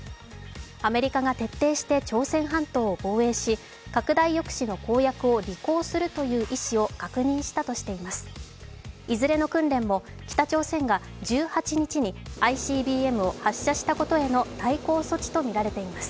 アメリカが徹底して朝鮮半島を防衛し拡大抑止の公約を履行するという意思を確認したとしています。